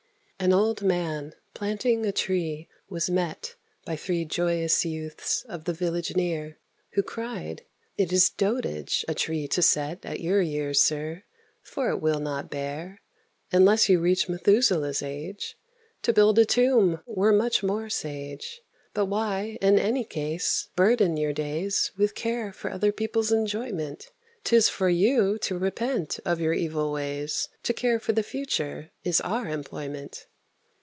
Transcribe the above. An Old Man, planting a tree, was met By three joyous youths of the village near, Who cried, "It is dotage a tree to set At your years, sir, for it will not bear, Unless you reach Methuselah's age: To build a tomb were much more sage; But why, in any case, burden your days With care for other people's enjoyment? 'Tis for you to repent of your evil ways: To care for the future is our employment!"